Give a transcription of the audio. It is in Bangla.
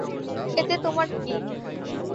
এতে তোমার কী?